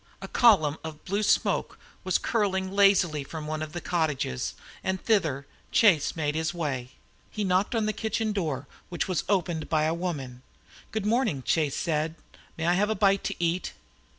A column of blue smoke was curling lazily from one of the cottages, and thither Chase made his way. He knocked on the kitchen door, which was opened by a woman. "Good morning," said Chase. "May I have a bite to eat?"